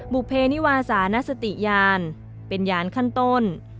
บุเพนิวาสานสติยานเป็นยานขั้นต้น